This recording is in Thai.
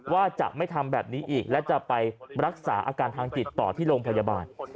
ว่าจะไม่ทำแบบนี้อีกและจะไปรักษาอาการทางจิตต่อที่โรงพยาบาล